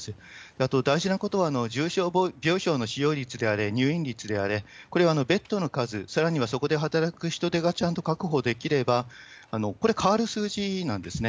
あと大事なことは重症病床の使用率であれ、入院率であれ、これはベッドの数、さらにはそこで働く人手がちゃんと確保できれば、これ、変わる数字なんですね。